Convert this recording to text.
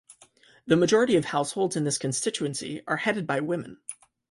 The majority of households in this constituency are headed by women.